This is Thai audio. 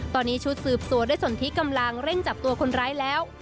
ตอนนี้ชุดสืบสวนได้สนที่กำลังเร่งจับตัวคนร้ายแล้ว